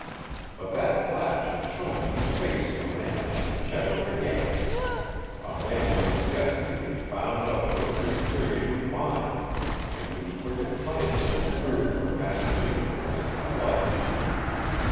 But that flash had shown me the face of a man I could never forget a man whose destiny was bound up for a brief period with mine, and whose wicked plans have proved the master influence of my life.